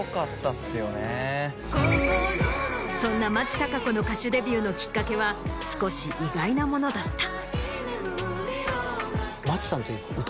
そんな松たか子の歌手デビューのきっかけは少し意外なものだった。